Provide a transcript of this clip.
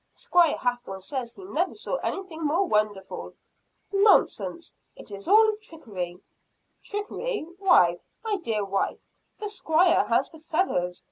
Squire Hathorne says he never saw anything more wonderful." "Nonsense it is all trickery!" "Trickery? Why, my dear wife, the Squire has the feathers!